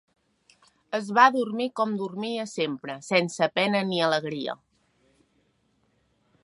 Es va dormir com dormia sempre: sense pena ni alegria.